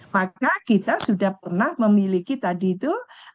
maka kita sudah pernah memiliki tadi itu